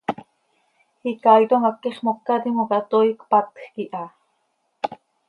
Icaaitom haquix moca timoca toii cpatjc iha.